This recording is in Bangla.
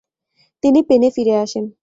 তিনি পেনে ফিরে আসেন।